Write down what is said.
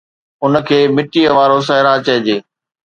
ان کي مٽيءَ وارو صحرا چئجي